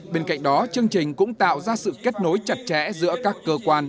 bên cạnh đó chương trình cũng tạo ra sự kết nối chặt chẽ giữa các cơ quan